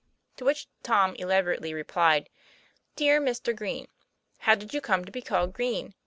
To which Tom elaborately replied: DEAR MISTER GREEN: How did you come to be called green?